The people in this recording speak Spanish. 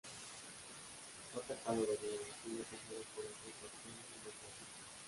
Fue atacado de nuevo, siendo alcanzado por otro torpedo, y dos bombas.